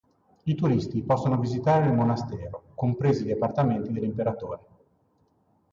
I turisti possono visitare il monastero, compresi gli appartamenti dell'imperatore.